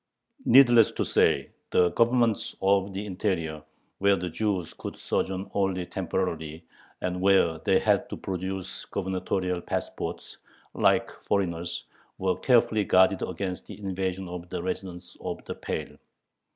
Needless to say, the Governments of the interior, where the Jews could sojourn only temporarily, and where they had to produce gubernatorial passports, like foreigners, were carefully guarded against the invasion of the residents of the Pale.